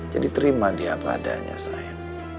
jadi terima dia padanya sayang